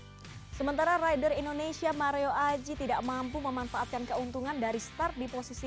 hai sementara rider indonesia mario aji tidak mampu memanfaatkan keuntungan dari start di posisi